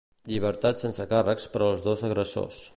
Llibertat sense càrrecs per als dos agressors.